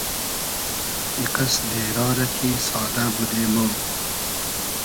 ای قئس دېرا رۂ کی سادۂ بودې مۉ